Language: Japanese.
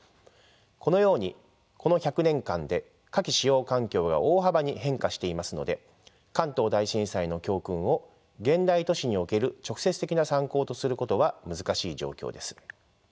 このようにこの１００年間で火気使用環境が大幅に変化していますので関東大震災の教訓を現代都市における直接的な参考とすることは難しい状況です。